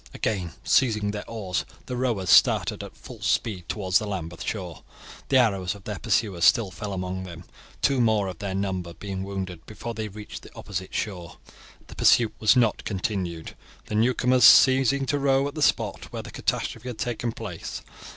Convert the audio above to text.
Again seizing their oars, the rowers started at full speed towards the Lambeth shore. The arrows of their pursuers still fell among them, two more of their number being wounded before they reached the opposite shore. The pursuit was not continued, the newcomers ceasing to row at the spot where the catastrophe had taken place.